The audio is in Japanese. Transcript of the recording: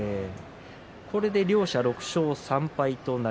これで両者、６勝３敗です。